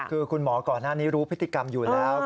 คือคุณหมอก่อนหน้านี้รู้พฤติกรรมอยู่แล้ว